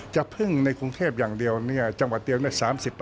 จะพึ่งในกรุงเทพอย่างเดียวจังหวัดเดียว๓๐